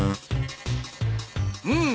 うん。